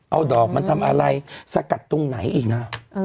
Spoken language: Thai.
เอาดอกมาทำอะไรสกัดตรงไหนอีกนะ